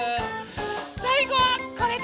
さいごはこれです。